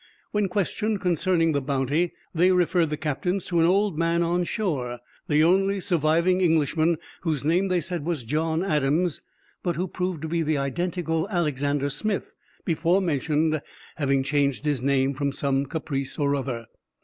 When questioned concerning the Bounty, they referred the captains to an old man on shore, the only surviving Englishman, whose name, they said, was John Adams, but who proved to be the identical Alexander Smith before mentioned, having changed his name from some caprice or other.